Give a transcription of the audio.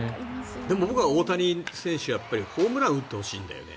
でも僕は大谷選手ホームランを打ってほしいんだよね。